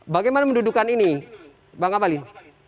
bagaimana mendudukan ini bang abalin